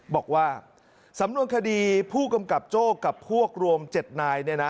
บอกว่าสำนวนคดีผู้กำกับโจ้กับพวกรวม๗นาย